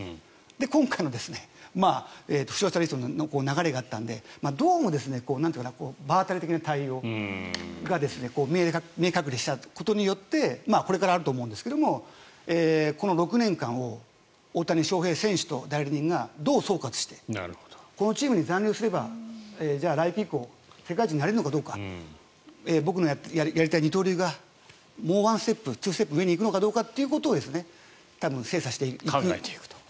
今回の負傷者リストの流れがあったのでどうも場当たり的な対応が見え隠れしたことによってこれからあると思うんですがこの６年間を大谷翔平選手と代理人がどう総括してこのチームに残留するかじゃあ来期以降僕がやりたい二刀流がもうワンステップ、ツーステップ上に行くのかということを精査していく。